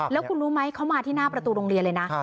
แล้วคุณรู้ไหมเขามาที่หน้าประตูโรงเรียนเลยนะ